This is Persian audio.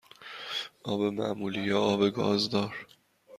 آب معمولی یا آب گازدار؟